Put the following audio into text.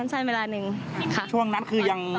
ในระยะเวลาสั้นเวลานึง